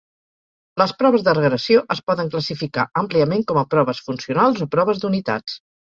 Les proves de regressió es poden classificar àmpliament com a proves funcionals o proves d'unitats.